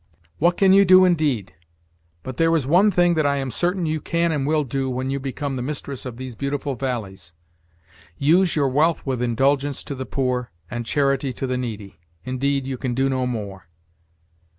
"What can you do indeed? But there is one thing that I am certain you can and will do, when you become the mistress of these beautiful valleys use your wealth with indulgence to the poor, and charity to the needy; indeed, you can do no more."